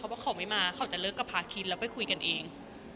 บอกเขาไม่มาเขาจะเลิกกับพาคินแล้วไปคุยกันเอง